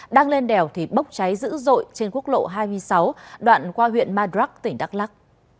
đang lên đèo thì bốc cháy dữ dội trên quốc lộ hai mươi sáu đoạn qua huyện madrak tỉnh đắk lắc